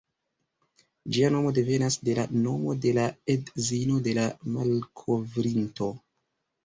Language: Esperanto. Ĝia nomo devenas de la nomo de la edzino de la malkovrinto.